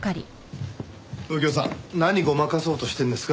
右京さん何ごまかそうとしてるんですか？